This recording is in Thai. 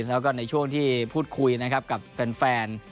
แล้วก็ในช่วงที่พูดคุยนะครับกับแฟน